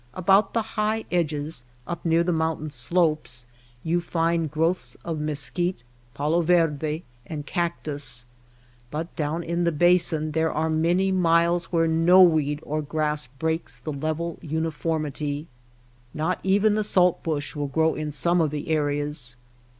About the high edges, up near the mountain slopes, you find growths of mesquite, palo verde, and cactus ; but down in the basin there are many miles where no weed or grass breaks the level uni formity. Not even the salt bush will grow in some of the areas.